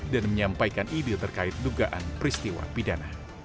dan menyampaikan ide terkait dugaan peristiwa pidan